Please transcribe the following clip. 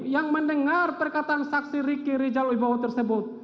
yang mendengar perkataan saksi ricky rijal ibowo tersebut